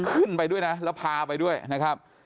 ขึ้นไปด้วยนะแล้วพาไปด้วยนะครับ